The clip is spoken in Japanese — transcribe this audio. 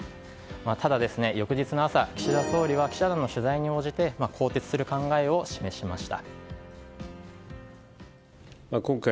ただ、翌日の朝岸田総理は記者団の取材に応じて更迭する考えを示しました。